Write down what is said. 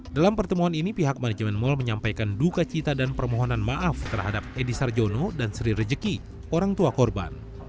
dalam pertemuan ini pihak manajemen mal menyampaikan duka cita dan permohonan maaf terhadap edi sarjono dan sri rejeki orang tua korban